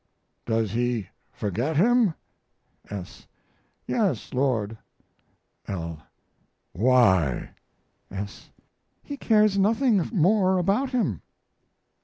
Does he forget him? S. Yes, Lord. L. Why? S. He cares nothing more about him.